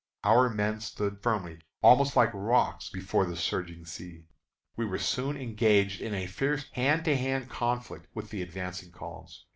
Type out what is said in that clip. Our men stood firmly, almost like rocks before the surging sea. We were soon engaged in a fierce hand to hand conflict with the advancing columns.